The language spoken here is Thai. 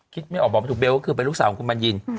ไม่ออกบอกไม่ถูกเบลก็คือเป็นลูกสาวของคุณบัญญิน